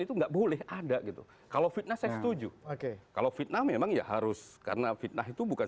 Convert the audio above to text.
itu nggak boleh ada itu kalau fitnah enam tujuh oke kalau fitnah memang harus karena fitnah itu bukan